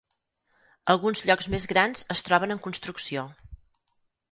Alguns llocs més grans es troben en construcció.